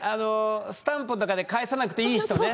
スタンプとかで返さなくていい人ね。